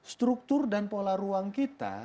struktur dan pola ruang kita